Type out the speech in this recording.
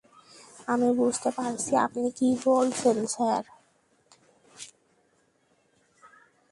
আমি বুঝতে পারছি আপনি কি বলছেন, স্যার।